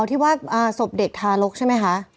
ที่ว่าศพเด็กทารกใช่ไหมคะ